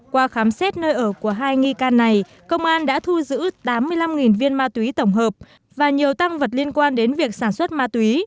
qua khám xét nơi ở của hai nghi can này công an đã thu giữ tám mươi năm viên ma túy tổng hợp và nhiều tăng vật liên quan đến việc sản xuất ma túy